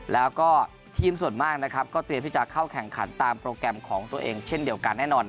แล้วก็ทีมส่วนมากก็เตรียมที่จะเข้าแข่งขันตามโปรแกรมของตัวเองเช่นเดียวกันแน่นอน